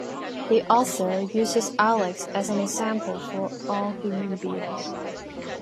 The author uses Alex as an example for all human beings.